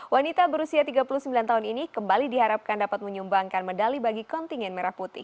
wanita berusia tiga puluh sembilan tahun ini kembali diharapkan dapat menyumbangkan medali bagi kontingen merah putih